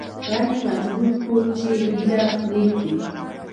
ږغ یې مجبور کړ چې ږیره پریږدي